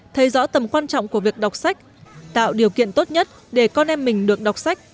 thấy rõ tầm quan trọng của việc đọc sách tạo điều kiện tốt nhất để con em mình được đọc sách